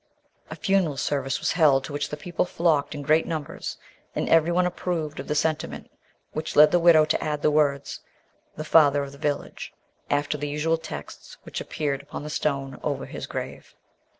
A funeral service was held to which the people flocked in great numbers, and everyone approved of the sentiment which led the widow to add the words, "The Father of the Village," after the usual texts which appeared upon the stone over his grave.